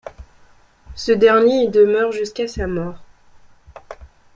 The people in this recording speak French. Ce dernier y demeure jusqu'à sa mort.